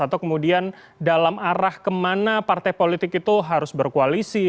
atau kemudian dalam arah kemana partai politik itu harus berkoalisi